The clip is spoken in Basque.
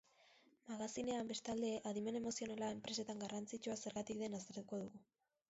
Magazinean, bestalde, adimen emozionala enpresetan garrantzitsua zergatik den aztertuko dugu.